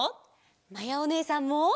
まやおねえさんも！